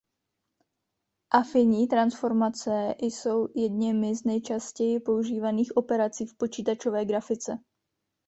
Afinní transformace jsou jedněmi z nejčastěji používaných operací v počítačové grafice.